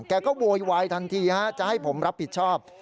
แกก็โวยวายทันทีจะให้ผมรับผิดชอบ